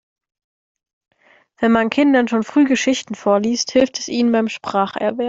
Wenn man Kindern schon früh Geschichten vorliest, hilft es ihnen beim Spracherwerb.